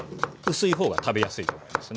薄い方が食べやすいと思いますね。